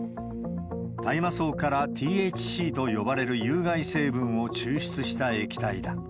大麻草からＴＨＣと呼ばれる有害成分を抽出した液体だ。